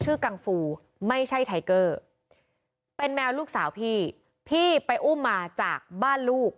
กังฟูไม่ใช่ไทเกอร์เป็นแมวลูกสาวพี่พี่ไปอุ้มมาจากบ้านลูก